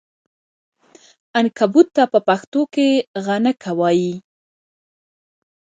عنکبوت ته په پښتو غڼکه وایې!